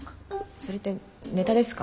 それってネタですか？